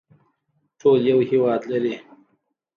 ټول یو هیواد لري